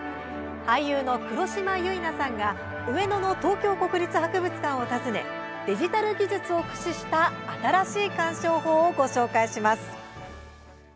俳優の黒島結菜さんが上野の東京国立博物館を訪ねデジタル技術を駆使した新しい鑑賞法をご紹介します。